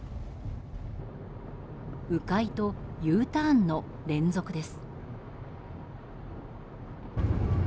迂回とＵターンの連続です。